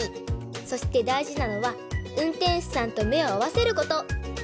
そしてだいじなのはうんてんしゅさんとめをあわせること！